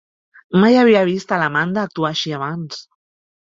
Mai havia vist a l'Amanda actuar així abans.